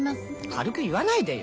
軽く言わないでよ。